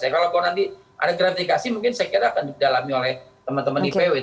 kalau nanti ada gratifikasi mungkin saya kira akan didalami oleh teman teman ipw